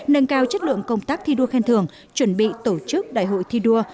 nâng cao chất lượng công tác thi đua khen thưởng chuẩn bị tổ chức đại hội thi đua